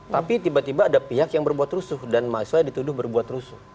tapi tiba tiba ada pihak yang berbuat rusuh dan mahasiswa dituduh berbuat rusuh